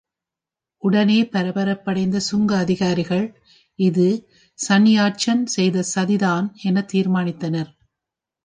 உடனே பரபரப்படைந்த சுங்க அதிகாரிகள், இது சன்யாட்சன் செய்த சதிதான் என தீர்மானித்தனர்.